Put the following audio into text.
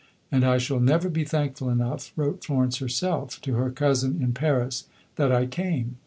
And "I shall never be thankful enough," wrote Florence herself to her cousin in Paris, "that I came.